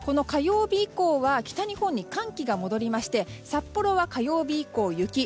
火曜日以降は北日本に寒気が戻りまして札幌は火曜日以降雪。